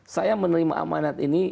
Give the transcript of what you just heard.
saya menerima amanat ini